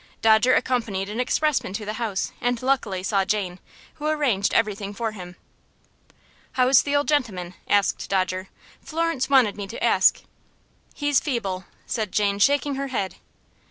Dodger accompanied an expressman to the house, and luckily saw Jane, who arranged everything for him. "How's the old gentleman?" asked Dodger. "Florence wanted me to ask." "He's feeble," said Jane, shaking her head.